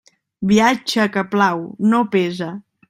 Viatge que plau, no pesa.